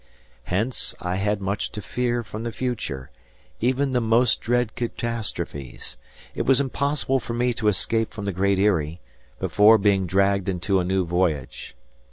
Hence I had much to fear from the future, even the most dread catastrophes. It was impossible for me to escape from the Great Eyrie, before being dragged into a new voyage.